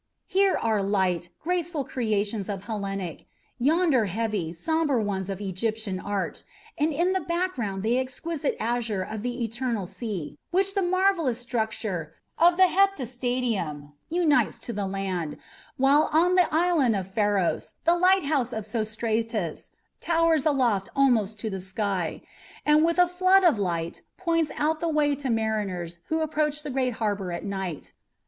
Here are light, graceful creations of Hellenic, yonder heavy, sombre ones of Egyptian art, and in the background the exquisite azure of the eternal sea, which the marvellous structure of the heptastadium unites to the land; while on the island of Pharos the lighthouse of Sostratus towers aloft almost to the sky, and with a flood of light points out the way to mariners who approach the great harbour at night.